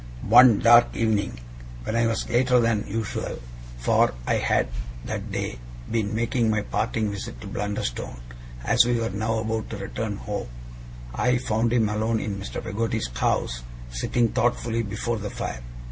One dark evening, when I was later than usual for I had, that day, been making my parting visit to Blunderstone, as we were now about to return home I found him alone in Mr. Peggotty's house, sitting thoughtfully before the fire.